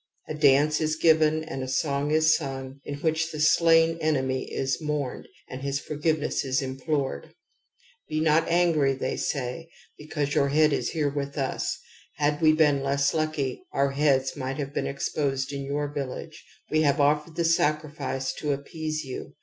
A dance is given and a song is sung in which the slain enemy is mourned and his for giveness is implored :' Be not angiy ', they say ' because your head is here with us ; had we been less lucky, our heads might have been exposed in yoiu* village. We have offered the sacrifice to appease you.